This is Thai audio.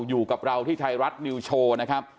อยู่กับเราที่ไทยรัฐวิวโชว์